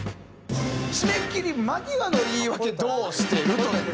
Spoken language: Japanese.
締め切り間際の言い訳どうしてる？という。